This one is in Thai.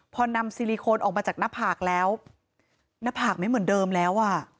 พอนำซิลิโคนออกมาจากหน้าผากแล้วหน้าผากไม่เหมือนเดิมแล้วอ่ะ